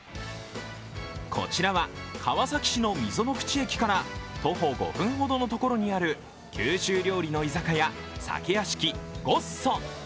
こちらは川崎市の溝の口駅から徒歩５分ほどのところにある九州料理の居酒屋、酒屋敷ごっそ。